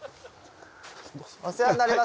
お世話になります。